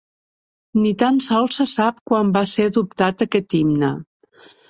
Ni tan sols se sap quan va ser adoptat aquest himne.